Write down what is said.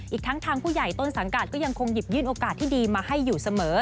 อีกทั้งทางผู้ใหญ่ต้นสังกัดก็ยังคงหยิบยื่นโอกาสที่ดีมาให้อยู่เสมอ